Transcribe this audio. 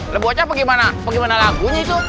lebuk aja apa gimana lagunya itu